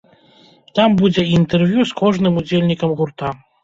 Там будзе і інтэрв'ю з кожным удзельнікам гурта.